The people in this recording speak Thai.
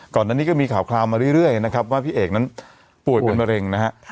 ก่อนหน้านี้ก็มีข่าวมาเรื่อยนะครับว่าพี่เอกนั้นป่วยเป็นมะเร็งนะฮะ